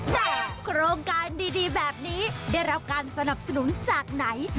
แต่โครงการดีแบบนี้ได้รับการสนับสนุนจากไหน